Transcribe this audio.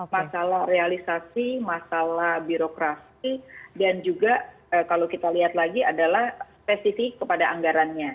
masalah realisasi masalah birokrasi dan juga kalau kita lihat lagi adalah spesifik kepada anggarannya